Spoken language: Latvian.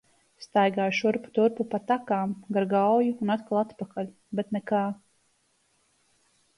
Staigāju šurpu turpu pa takām, gar Gauju un atkal atpakaļ, bet nekā.